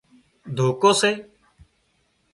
ڌوڪو سي